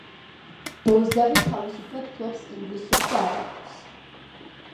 ბოზდაღი თავისუფლად ფლობს ინგლისურს და არაბულს.